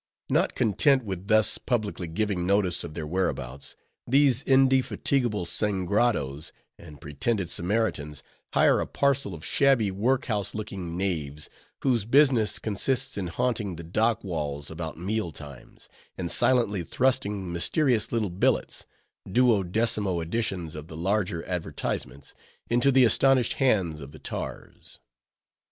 Not content with thus publicly giving notice of their whereabouts, these indefatigable Sangrados and pretended Samaritans hire a parcel of shabby workhouse looking knaves, whose business consists in haunting the dock walls about meal times, and silently thrusting mysterious little billets—duodecimo editions of the larger advertisements—into the astonished hands of the tars.